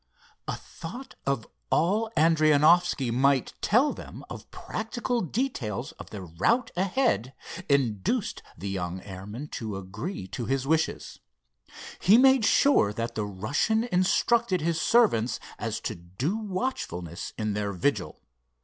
A thought of all Adrianoffski might tell them of practical details of their route ahead, induced the young airman to agree to his wishes. He made sure that the Russian instructed his servants as to due watchfulness in their vigil.